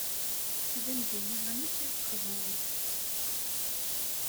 Ad am-d-iniɣ amek ad t-txedmeḍ.